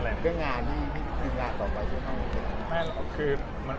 หรือนอนห้องหรือใบรึ